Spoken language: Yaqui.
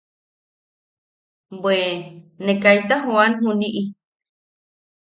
Bwe ne kaita jooan juniʼi.